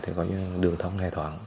thì gọi như là đường thông hề thoảng